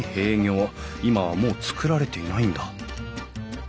今はもう造られていないんだ